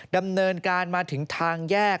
ดำเนินการมาถึงทางแยก